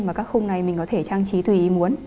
mà các khung này mình có thể trang trí tùy ý muốn